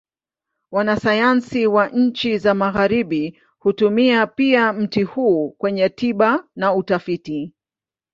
Wanasayansi wa nchi za Magharibi hutumia pia mti huu kwenye tiba na utafiti.